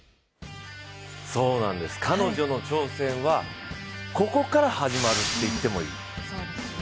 そうなんです、彼女の挑戦はここから始まると言ってもいい。